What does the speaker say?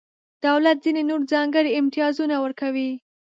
دولت ځینې نور ځانګړي امتیازونه ورکوي.